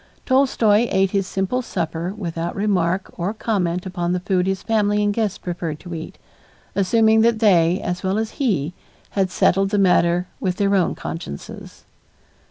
Tolstoy ate his simple supper without remark or comment upon the food his family and guests preferred to eat, assuming that they, as well as he, had settled the matter with their own consciences.